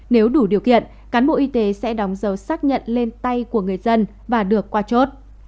nếu đủ điều kiện cán bộ y tế sẽ đóng dấu xác nhận lên tay của người dân và được qua chốt